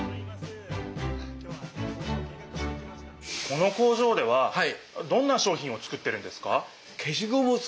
この工場ではどんな商品を作ってるんですか？